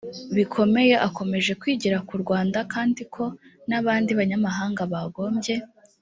bikomeye akomeje kwigira ku rwanda kandi ko n abandi banyamahanga bagombye